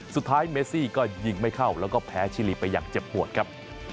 เมซี่ก็ยิงไม่เข้าแล้วก็แพ้ชิลีไปอย่างเจ็บปวดครับ